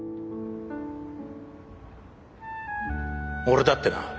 俺だってな